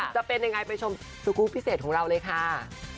จะเป็นยังไงไปชมสกรูปพิเศษของเราเลยค่ะ